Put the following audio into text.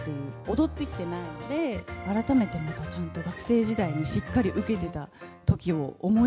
踊ってきてないので、改めてまた、ちゃんと学生時代にしっかり受け